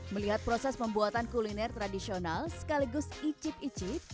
melihat proses pembuatan kuliner tradisional sekaligus icip icip